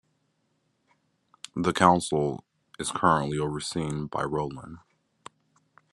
The council is currently overseen by Rolland.